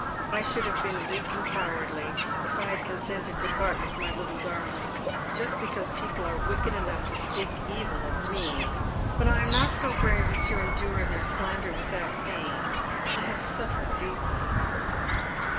I should have been weak and cowardly if I had consented to part with my little darling just because people are wicked enough to speak evil of me, but I am not so brave as to endure their slander without pain. I have suffered deeply."